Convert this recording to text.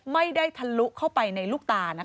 ไม่ได้ทะลุเข้าไปในลูกตานะคะ